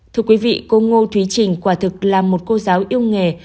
thưa quý vị cô ngô thúy trình quả thực là một cô giáo yêu nghề